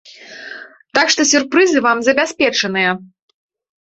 Так што сюрпрызы вам забяспечаныя!